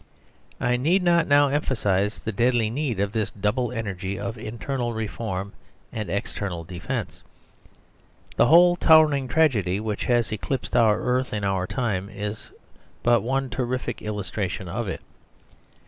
I need not now emphasise the deadly need of this double energy of internal reform and external defence; the whole towering tragedy which has eclipsed our earth in our time is but one terrific illustration of it.